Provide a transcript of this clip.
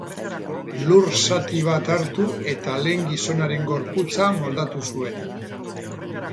Lur zati bat hartu eta lehen gizonaren gorputza moldatu zuen